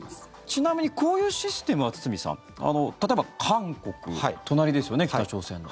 ちなみにこういうシステムは、堤さん例えば韓国、隣ですよね北朝鮮の。